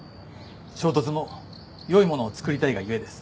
衝突も良いものを作りたいが故です。